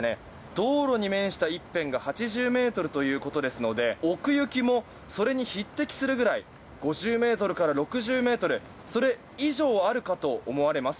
道路に面した一辺が８０ｍということですので奥行きもそれに匹敵するぐらい５０ｍから６０ｍそれ以上あるかと思われます。